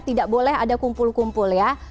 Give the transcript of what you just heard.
tidak boleh ada kumpul kumpul ya